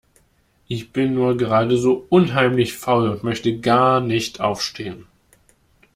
Ich bin nur gerade so unheimlich faul und möchte gar nicht aufstehen.